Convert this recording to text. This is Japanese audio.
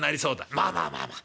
『まあまあまあまあ』